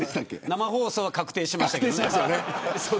生放送は確定しましたけどね。